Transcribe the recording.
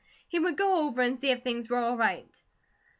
He would go over and see if things were all right.